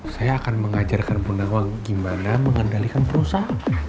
saya akan mengajarkan bu nawang gimana mengendalikan perusahaan